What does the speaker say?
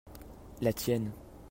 la tienne.